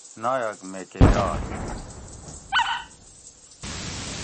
نایٔک میکہ یاگ